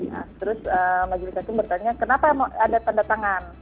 nah terus majelis hakim bertanya kenapa ada pendatangan